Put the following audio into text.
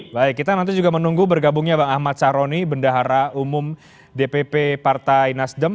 baik kita nanti juga menunggu bergabungnya bang ahmad saroni bendahara umum dpp partai nasdem